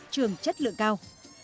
trường chất lượng cao